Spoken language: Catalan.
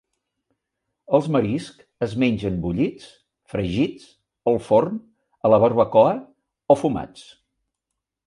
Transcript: Els mariscs es mengen bullits, fregits, al forn, a la barbacoa o fumats.